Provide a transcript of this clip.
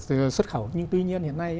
từ xuất khẩu nhưng tuy nhiên hiện nay